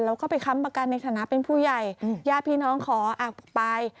แล้วก็ไปค้ำประกันในฐานะเป็นผู้ใหญ่ญาติพี่น้องขอไป